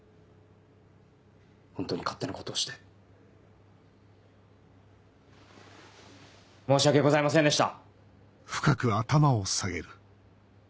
ホントに勝手なことをして申し訳ございませんでした！